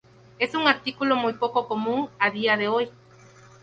Es un artículo muy poco común a día de hoy.